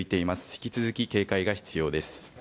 引き続き警戒が必要です。